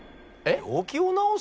病気を治す？